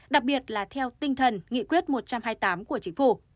đặc biệt là theo tinh thần nghị quyết một trăm hai mươi tám của chính phủ